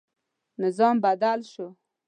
نظام بدل شو.